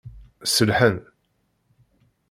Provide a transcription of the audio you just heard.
Sellḥen.